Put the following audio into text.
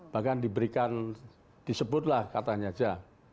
bahkan diberikan disebutlah katanya saja